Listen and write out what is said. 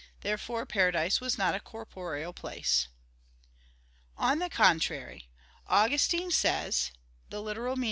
Therefore paradise was not a corporeal place. On the contrary, Augustine says (Gen. ad lit.